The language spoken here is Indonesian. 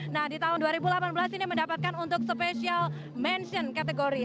nah di tahun dua ribu delapan belas ini mendapatkan untuk special mention kategori